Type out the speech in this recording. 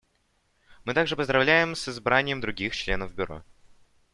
Мы также поздравляем с избранием других членов Бюро.